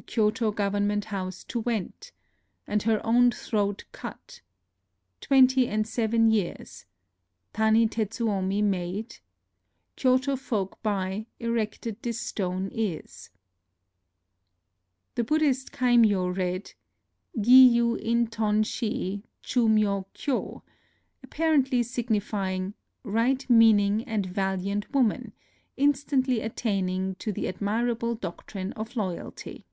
. the Kyoto government house to went ... and her own throat cut ... twenty and seven years ,.. Tani Tetsu omi made ... Kyotofolk hy erected this stone isJ^ The Buddhist Kaimyo read, " Gi yu in ton shi chu myo hyo^'' — apparently sig nifying, " Eight meaning and valiant woman, instantly attaining to the admirable doctrine of loyalty."